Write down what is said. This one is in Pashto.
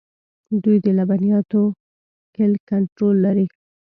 دوی د لبنیاتو کلک کنټرول لري.